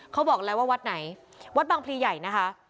เขาบอกแล้วว่าวัดไหนวัดบางพลีใหญ่นะคะ